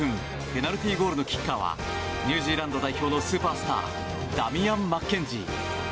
ペナルティーゴールのキッカーはニュージーランド代表のスーパースターダミアン・マッケンジー。